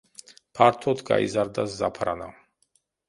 ფართოდ გაიზარდა ზაფრანა.